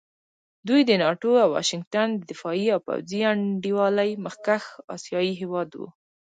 دوی د ناټو او واشنګټن د دفاعي او پوځي انډیوالۍ مخکښ اسیایي هېواد وو.